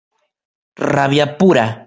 Rabia pura.